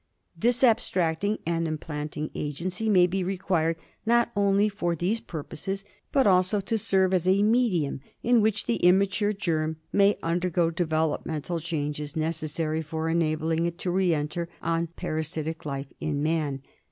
This abstracting and implanting agency may be required not only for these purposes, but ajso to serve as a medium in which the immature germ may undergo developmental changes necessary for enabling it to re enter on parasitic life in man.